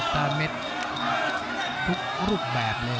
ทุกรูปแบบเลย